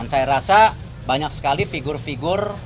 saya rasa banyak sekali figur figur